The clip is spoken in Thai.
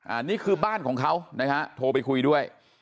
อันนี้คือบ้านของเขานะฮะโทรไปคุยด้วย